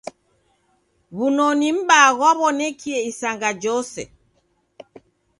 W'unoni m'baa ghwaw'onekie isanga jose.